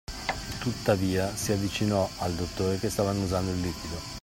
Tuttavia, si avvicinò al dottore, che stava annusando il liquido.